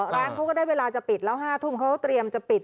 ร้านเขาก็ได้เวลาจะปิดแล้ว๕ทุ่มเขาเตรียมจะปิด